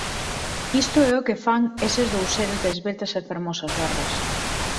Isto é o que fan eses dous seres de esveltas e fermosas barbas;